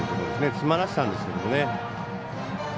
詰まらせたんですけどね。